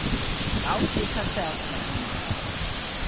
Boukje is harsels net mear.